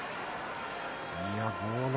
豪ノ